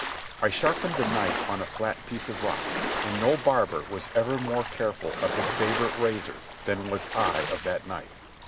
I sharpened the knife on a flat piece of rock, and no barber was ever more careful of his favourite razor than was I of that knife.